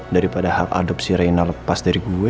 daripada hak adopsi reina lepas dari gue